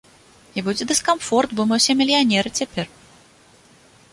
І будзе дыскамфорт, бо мы ўсе мільянеры цяпер.